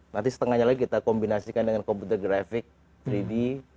nanti setengahnya lagi kita kombinasikan dengan komputer grafik tiga d